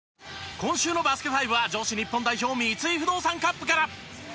今週の『バスケ ☆ＦＩＶＥ』は女子日本代表三井不動産カップから